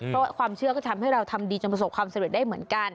เพราะว่าความเชื่อก็ทำให้เราทำดีจนประสบความสำเร็จได้เหมือนกัน